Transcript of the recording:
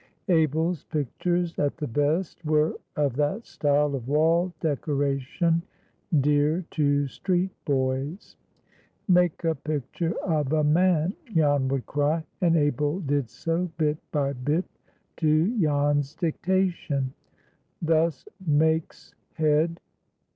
Abel's pictures, at the best, were of that style of wall decoration dear to street boys. "Make a pitcher of a man," Jan would cry. And Abel did so, bit by bit, to Jan's dictation. Thus "Make's head.